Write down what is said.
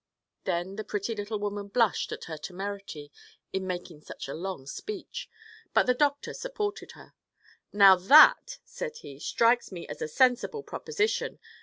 Then the pretty little woman blushed at her temerity in making such a long speech. But the doctor supported her. "Now that," said he, "strikes me as a sensible proposition.